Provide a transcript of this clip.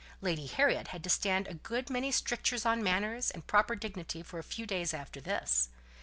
Lady Harriet had to stand a good many strictures on manners, and proper dignity for a few days after this.